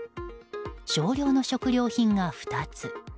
少量の食料品が２つ。